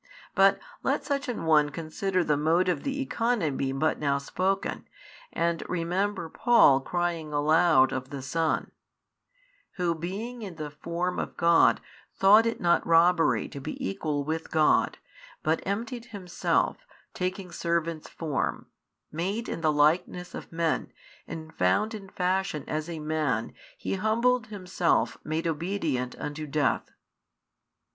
But let such an one consider the mode of the economy but now spoken, and remember Paul crying aloud of the Son, Who being in the Form of God thought it not robbery to be Equal with God, but emptied Himself taking servant's form, made in the likeness of men and found in fashion as a man He humbled Himself made obedient unto death.